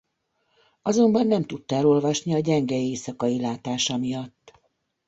Azonban nem tudta elolvasni a gyenge éjszakai látása miatt.